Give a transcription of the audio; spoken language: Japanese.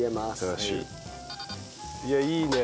いやいいね。